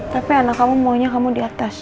tapi anak kamu maunya kamu di atas